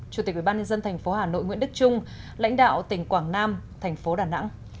chủ tịch ubnd tp hà nội nguyễn đức trung lãnh đạo tỉnh quảng nam tp đà nẵng